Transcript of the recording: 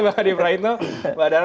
mbak adi praitno mbak dara